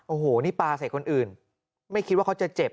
โอ้โหนี่ปลาใส่คนอื่นไม่คิดว่าเขาจะเจ็บ